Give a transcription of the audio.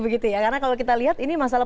karena kalau kita lihat ini masalah